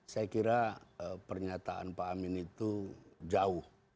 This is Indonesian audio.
saya kira pernyataan pak amin itu jauh